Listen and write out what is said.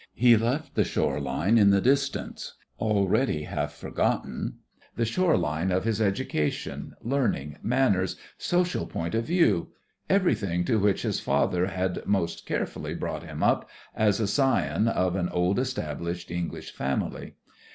He left the shore line in the distance, already half forgotten, the shore line of his education, learning, manners, social point of view everything to which his father had most carefully brought him up as the scion of an old established English family.